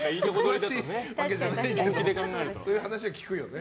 そういう話は聞くよね。